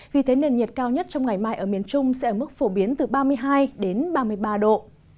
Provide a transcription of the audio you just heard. vì thế nền nhiệt cao nhất trong ngày mai ở miền trung sẽ ở mức phổ biến từ ba mươi hai đến ba mươi ba độ